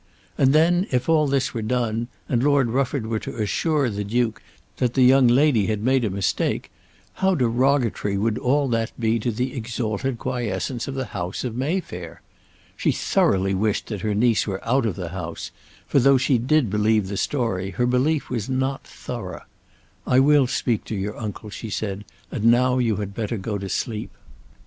And then, if all this were done, and Lord Rufford were to assure the Duke that the young lady had made a mistake, how derogatory would all that be to the exalted quiescence of the house of Mayfair! She thoroughly wished that her niece were out of the house; for though she did believe the story, her belief was not thorough. "I will speak to your uncle," she said. "And now you had better go to sleep."